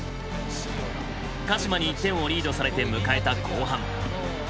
鹿島に１点をリードされて迎えた後半。